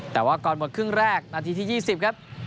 แต่ว่าก่อนหมดครึ่งแรกนาทีที่๒๐ครับ